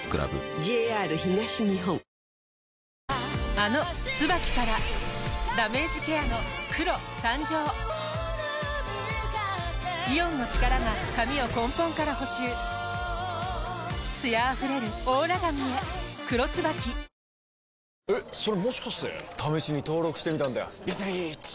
あの「ＴＳＵＢＡＫＩ」からダメージケアの黒誕生イオンの力が髪を根本から補修艶あふれるオーラ髪へ「黒ＴＳＵＢＡＫＩ」［柚月さんが加藤にオススメしたいこと］